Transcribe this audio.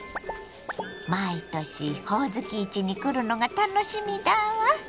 毎年ほおずき市に来るのが楽しみだわ。